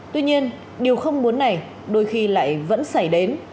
tuy nhiên điều không muốn này đôi khi lại vẫn xảy đến